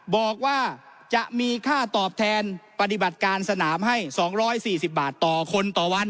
บอกว่าจะมีค่าตอบแทนปฏิบัติการสนามให้สองร้อยสี่สิบบาทต่อคนต่อวัน